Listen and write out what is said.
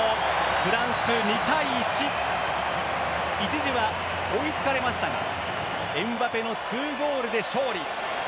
フランス、２対１一時は追いつかれましたがエムバペの２ゴールで勝利。